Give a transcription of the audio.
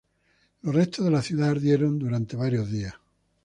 Los restos de la ciudad ardieron durante varios días.